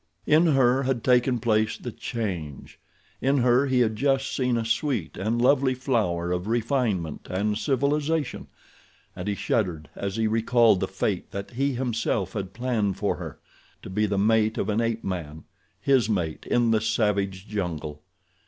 In her had taken place the change. In her he had just seen a sweet and lovely flower of refinement and civilization, and he shuddered as he recalled the fate that he himself had planned for her—to be the mate of an ape man, his mate, in the savage jungle.